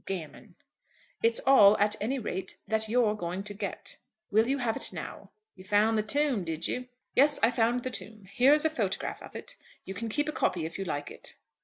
"Gammon." "It's all, at any rate, that you're going to get. Will you have it now?" "You found the tomb, did you?" "Yes; I found the tomb. Here is a photograph of it. You can keep a copy if you like it."